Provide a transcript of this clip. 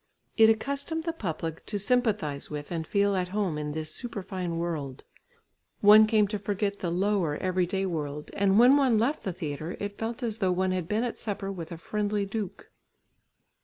It accustomed the public to sympathise with and feel at home in this superfine world; one came to forget the lower everyday world, and when one left the theatre it felt as though one had been at supper with a friendly duke.